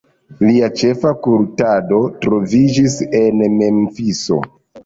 Lia ĉefa kultado troviĝis en Memfiso.